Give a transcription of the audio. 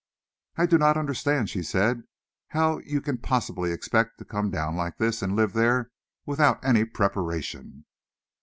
"I do not understand," she said, "how you can possibly expect to come down like this and live there, without any preparation."